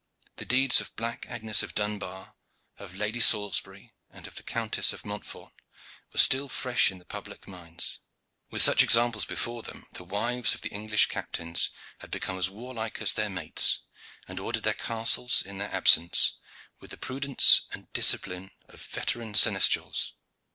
The deeds of black Agnes of Dunbar, of Lady Salisbury and of the Countess of Montfort, were still fresh in the public minds. With such examples before them the wives of the English captains had become as warlike as their mates, and ordered their castles in their absence with the prudence and discipline of veteran seneschals.